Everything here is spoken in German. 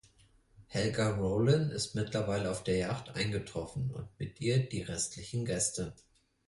Helga Rollin ist derweil auf der Yacht eingetroffen und mit ihr die restlichen Gäste.